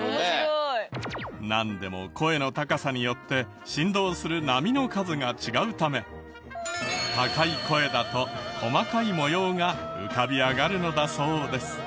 なんでも声の高さによって振動する波の数が違うため高い声だと細かい模様が浮かび上がるのだそうです。